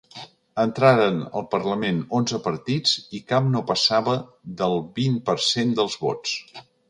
Entraren al parlament onze partits i cap no passava del vint per cent dels vots.